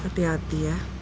nanti berangkat ya